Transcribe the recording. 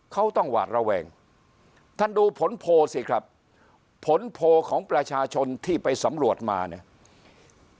เขาต้องหวาดระแวงท่านดูผลโพลสิครับผลโพลของประชาชนที่ไปสำรวจมาเนี่ย